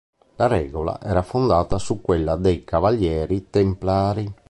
La regola era fondata su quella dei Cavalieri templari.